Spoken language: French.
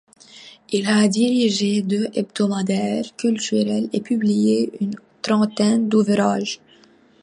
Il a dirigé deux hebdomadaires culturels et publié une trentaine d'ouvrages.